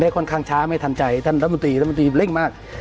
ค่อนข้างช้าไม่ทันใจท่านรัฐมนตรีเร่งมาก